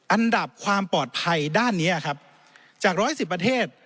อันดับความปลอดภัยด้านนี้ครับจาก๑๑๐ประเทศ